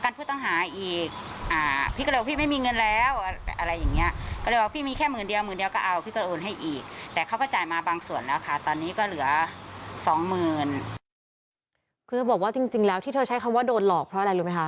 คือเธอบอกว่าจริงแล้วที่เธอใช้คำว่าโดนหลอกเพราะอะไรรู้ไหมคะ